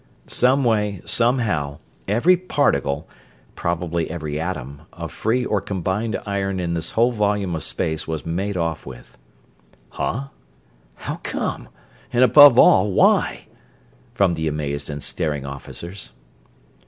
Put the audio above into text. Someway, somehow, every particle probably every atom of free or combined iron in this whole volume of space was made off with." "Huh? How come? And above all, why?" from the amazed and staring officers.